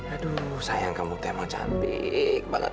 aduh sayang kamu tuh emang cantik banget